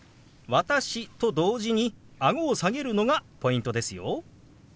「私」と同時にあごを下げるのがポイントですよ。